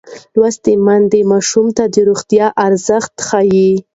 لوستې میندې ماشوم ته د روغتیا ارزښت ښيي.